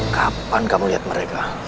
kapan kamu lihat mereka